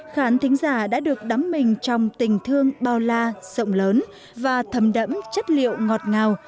khán thính giả đã được đắm mình trong tình thương bao la rộng lớn và thầm đẫm chất liệu ngọt ngào